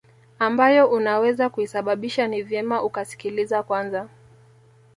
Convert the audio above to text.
ambayo unaweza kuisababisha ni vyema ukasikiliza Kwanza